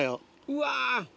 うわ。